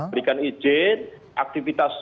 berikan izin aktivitas